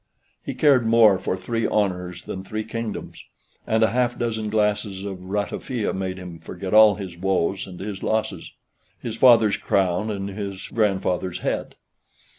He cared more for three honors than three kingdoms; and a half dozen glasses of ratafia made him forget all his woes and his losses, his father's crown, and his grandfather's head.